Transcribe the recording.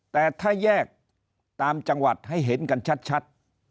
แต่ถ้าแยกตามจังหวัดให้เห็นกันชัด